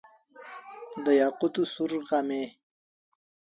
د یاقوتو سور غمی،